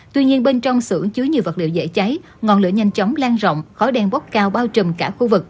tuy nhiên bên trong xưởng chứa nhiều vật liệu dễ cháy ngọn lửa nhanh chóng lan rộng khói đen bốc cao bao trùm cả khu vực